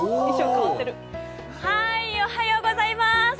おはようございます。